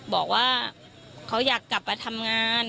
บอกว่าเขาอยากกลับมาทำงาน